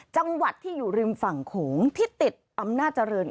จังหวัดที่อยู่ริมฝั่งโขงที่ติดอำนาจเจริญ